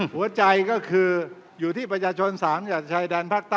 หัวใจก็คืออยู่ที่ประชาชน๓จากชายแดนภาคใต้